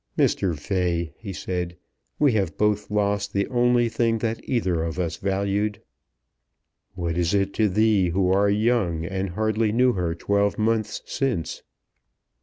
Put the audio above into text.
"Mr. Fay," he said, "we have both lost the only thing that either of us valued." "What is it to thee, who are young, and hardly knew her twelve months since?"